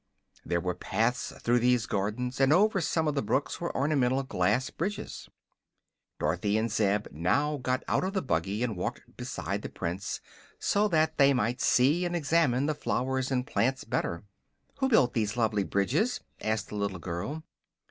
There were paths through these gardens, and over some of the brooks were ornamental glass bridges. Dorothy and Zeb now got out of the buggy and walked beside the Prince, so that they might see and examine the flowers and plants better. "Who built these lovely bridges?" asked the little girl.